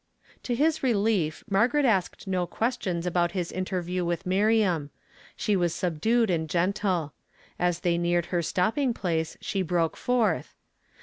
To Ills relief, Margaret asked no qnestioDs about Jiis interview with Miriam; slie was su\^ dued and gentle. As they neared her stopi.iMn. place she broke forth.